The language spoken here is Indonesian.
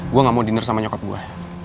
gue gak mau dinner sama nyokap gue